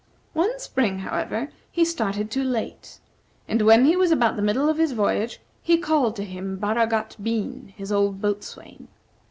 One spring, however, he started too late, and when he was about the middle of his voyage, he called to him Baragat Bean, his old boatswain.